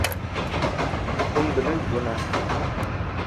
Hûn bilind bûne.